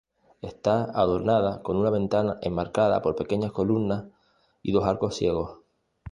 Está adornada con una ventana enmarcada por pequeñas columnas y dos arcos ciegos.